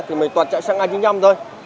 thì mình toàn chạy săng a chín mươi năm thôi